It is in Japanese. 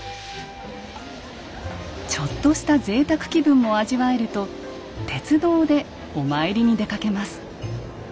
ちょっとした贅沢気分も味わえると鉄道でお参りに出かけます。